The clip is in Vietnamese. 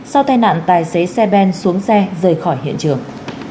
sau tai nạn tài xế xe ben xuống xe rời khỏi hiện trường